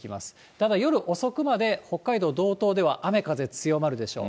ただ、夜遅くまで北海道、道東では雨風強まるでしょう。